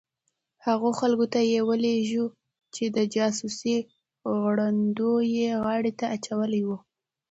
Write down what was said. هغو خلکو ته یې ولېږو چې د جاسوسۍ غړوندی یې غاړې ته اچولي وو.